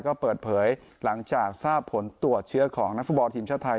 ก็เปิดเผยหลังจากทราบผลตรวจเชื้อของนักฟุตบอลทีมชาติไทย